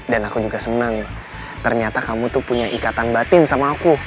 dan aku juga seneng ternyata kamu tuh punya ikatan batin sama aku